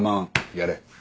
やれ。